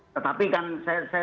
tetapi kan saya senang sekali